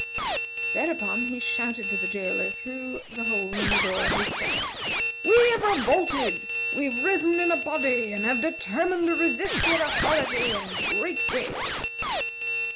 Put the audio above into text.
Thereupon he shouted to the jailer through the hole in the door of his cell: "We have revolted! We have risen in a body, and have determined to resist your authority, and break jail!"